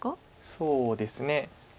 そうですね。